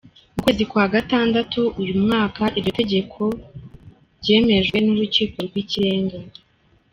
Mu kwezi kwa gatandatu uyu mwaka, iryo tegeko-teka ryemejwe n'urukiko rw'ikirenga.